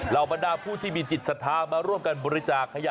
เรามณาผู้ที่มีจิตสาธารณ์มาร่วมกันบริจาคยะ